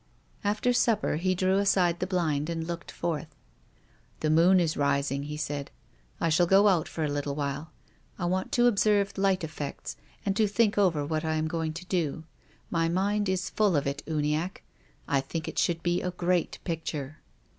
After supper he drew aside the blind and looked forth. " The moon is rising," he said. " I shall go out for a little while. I want to observe light effects, and to think over what I am going to do. My mind is full of it, Uniacke ; I think it should be a great picture."